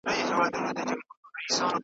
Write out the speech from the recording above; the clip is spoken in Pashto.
سرګردان د بل په لاس لکه مېچن یو .